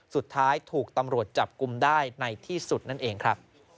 สุดท้ายถูกตำรวจจับกลุ่มได้ในที่สุดนั่นเองครับ